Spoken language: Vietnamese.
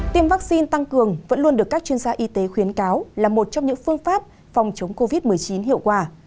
tiêm vaccine tăng cường vẫn luôn được các chuyên gia y tế khuyến cáo là một trong những phương pháp phòng chống covid một mươi chín hiệu quả